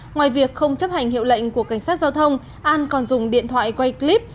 ngoài việc không chấp hành hiệu lệnh của cảnh sát giao thông an còn dùng điện thoại quay clip